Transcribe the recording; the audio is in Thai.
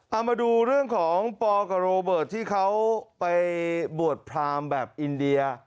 เอามาดูเรื่องของปอกับโรเบิร์ตที่เขาไปบวชพรามแบบอินเดีย